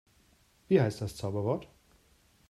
Wie heißt das Zauberwort?